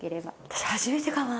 私初めてかな。